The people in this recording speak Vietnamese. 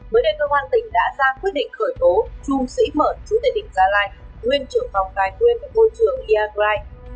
mới đây cơ quan tỉnh đã ra quyết định khởi tố chung sĩ mở chủ tịch định gia lai nguyên trưởng phòng tài quyền của bộ trưởng eagrade